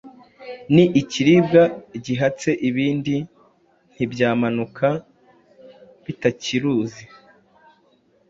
Ni ikiribwa gihatse ibindi Ntibyamanuka bitakiruzi